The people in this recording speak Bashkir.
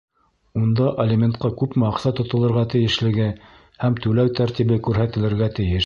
Унда алиментҡа күпме аҡса тотолорға тейешлеге һәм түләү тәртибе күрһәтелергә тейеш.